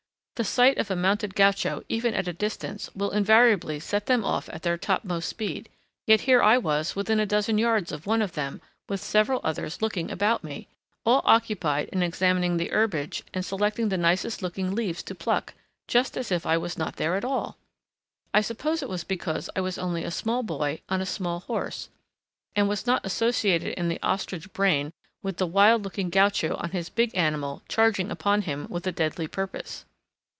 The sight of a mounted gaucho, even at a great distance, will invariably set them off at their topmost speed; yet here I was within a dozen yards of one of them, with several others about me, all occupied in examining the herbage and selecting the nicest looking leaves to pluck, just as if I was not there at all! I suppose it was because I was only a small boy on a small horse and was not associated in the ostrich brain with the wild looking gaucho on his big animal charging upon him with a deadly purpose.